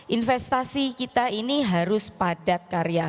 investasi kita ini harus berpengaruh untuk membuat program yang berkualitas